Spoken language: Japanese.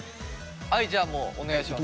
はいじゃあもうお願いします。